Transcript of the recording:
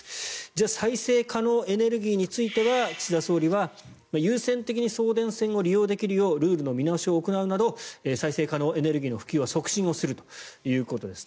じゃあ再生可能エネルギーについては岸田総理は優先的に送電線を利用できるようルールの見直しを行うなど再生可能エネルギーの普及は促進するということです。